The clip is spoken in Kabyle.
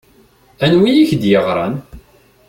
Anwi i k-d-yeɣṛan?